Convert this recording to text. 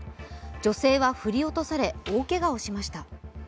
女性は振り落とされ、大けがをしました。